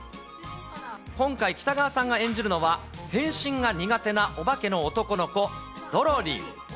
今回、北川さんが演じるのは、変身が苦手なオバケの男の子、ドロリン。